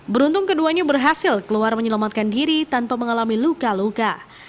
beruntung keduanya berhasil keluar menyelamatkan diri tanpa mengalami luka luka